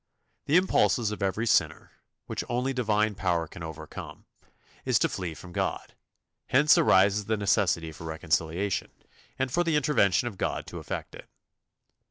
The impulse of every sinner, which only Divine power can overcome, is to flee from God. Hence arises the necessity for reconciliation, and for the intervention of God to effect it.